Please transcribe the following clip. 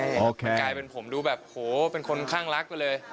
แต่กลายเป็นผมดูแบบโหเป็นคนข้างรักไปเลย